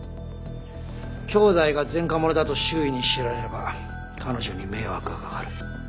兄妹が前科者だと周囲に知られれば彼女に迷惑がかかる。